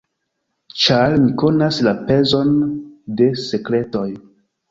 Ĉar mi konas la pezon de sekretoj.